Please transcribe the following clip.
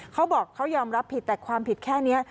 เขาบอกเขายอมรับผิดแต่ความผิดแค่นี้